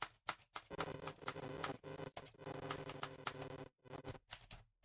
北爱足协认为没有必要限制其在爱尔兰自由邦挑选球员加入其国家队。